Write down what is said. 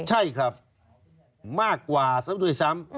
ใช่ครับมากกว่าซะด้วยซ้ำ